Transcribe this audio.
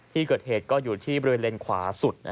ที่เกิดเหตุก็อยู่ที่บริเวณเลนขวาสุด